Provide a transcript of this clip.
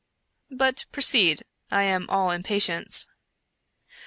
" But proceed — I am all impatience."